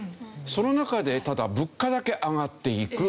その中でただ物価だけ上がっていく。